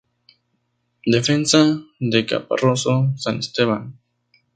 Defensa de Caparroso, San Esteban.